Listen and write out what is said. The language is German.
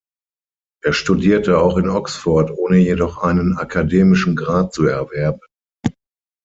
Er studierte auch in Oxford, ohne jedoch einen akademischen Grad zu erwerben.